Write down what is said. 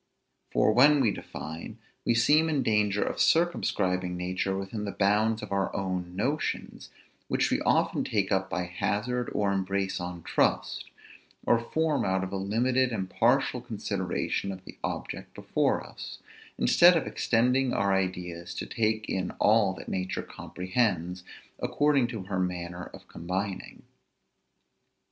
For, when we define, we seem in danger of circumscribing nature within the bounds of our own notions, which we often take up by hazard or embrace on trust, or form out of a limited and partial consideration of the object before us; instead of extending our ideas to take in all that nature comprehends, according to her manner of combining.